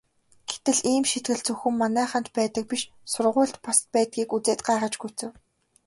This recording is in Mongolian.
Тэгтэл ийм шийтгэл зөвхөн манайханд байдаг биш сургуульд бас байдгийг үзээд гайхаж гүйцэв.